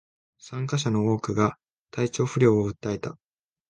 参加者の多くが体調不良を訴えた